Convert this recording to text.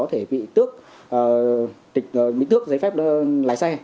có thể bị tước dây phép lái xe